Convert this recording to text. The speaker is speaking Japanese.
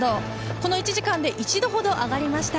この１時間で１度ほど上がりました。